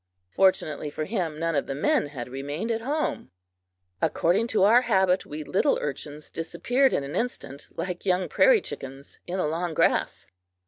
Fortunately for him, none of the men had remained at home. According to our habit, we little urchins disappeared in an instant, like young prairie chickens, in the long grass.